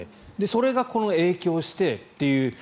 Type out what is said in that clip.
それが影響してという。